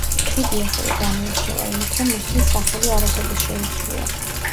ხიდი ასევე გამოირჩევა იმით, რომ მისთვის სახელი არასოდეს შეუცვლიათ.